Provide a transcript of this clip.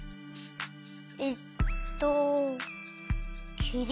えっときりん？